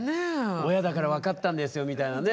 親だから分かったんですよみたいなね